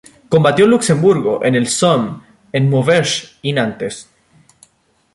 Combatió en Luxemburgo, en el Somme, en Maubeuge y Nantes.